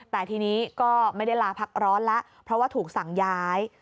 แต่ทีนี้ก็ไม่ได้ลาพักร้อนแล้วเพราะว่าถูกสั่งย้าย